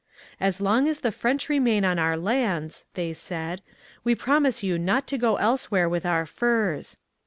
'As long as the French remain on our lands,' they said, 'we promise you not to go elsewhere with our furs.'